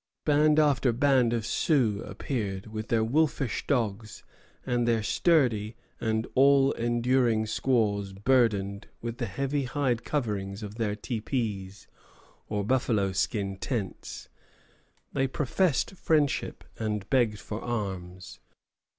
Band after band of Sioux appeared, with their wolfish dogs and their sturdy and all enduring squaws burdened with the heavy hide coverings of their teepees, or buffalo skin tents. They professed friendship and begged for arms.